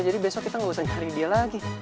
jadi besok kita gak usah nyari dia lagi